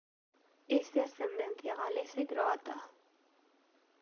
Es de ascendencia galesa y croata.